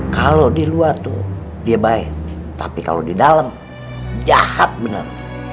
kalo di luar tuh dia baik tapi kalo di dalam jahat bener